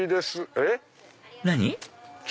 えっ？何？